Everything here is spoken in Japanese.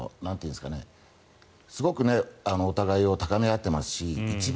すごくお互いを高め合っていますし一番